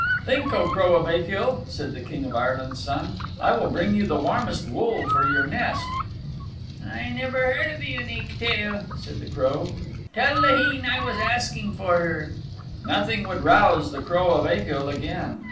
"Think, O Crow of Achill," said the King of Ireland's Son. "I will bring you the warmest wool for your nest." "I never heard of the Unique Tale," said the Crow. "Tell Laheen I was asking for her." Nothing would rouse the Crow of Achill again.